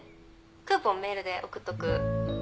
クーポンメールで送っとく。